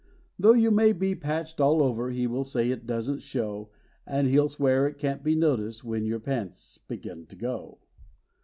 Though you may be patched all over he will say it doesn't show, And he'll swear it can't be noticed when your pants begin to go.